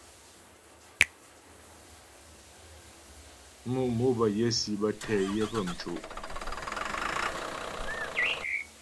Mǔ' mò bə́ si bə́ tɛ yə pə́ mco'.